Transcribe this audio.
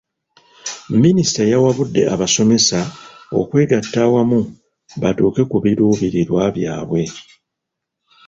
Minisita yawabudde abasomesa okwegatta awamu batuuke ku biruubirirwa byabwe.